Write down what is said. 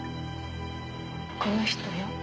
この人よ。